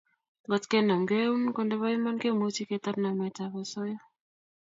Ngotkenamkei eun ko nebo iman kemuchi ketar nametab osoya